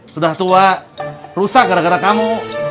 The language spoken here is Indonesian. sudah tua rusak gara gara kamu